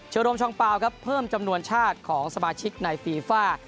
โรมชองเปล่าครับเพิ่มจำนวนชาติของสมาชิกในฟีฟ่า